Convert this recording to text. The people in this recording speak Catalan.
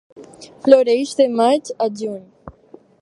Floreix de maig a juny.